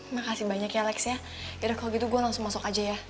makasih banyak ya alex ya yaudah kalau gitu gue langsung masuk aja ya